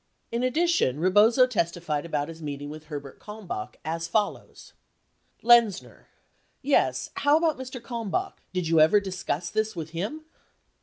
In addition, Eebozo testified about his meeting with Herbert Kalm bach as follows: Lenzner. Yes ; how about Mr. Kalmbach, did you ever dis cuss this with him